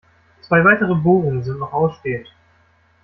Zwei weitere Bohrungen sind noch ausstehend.